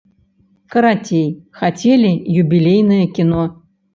Карацей, хацелі юбілейнае кіно.